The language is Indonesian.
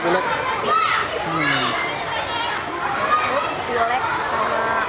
bilek dan agak aneh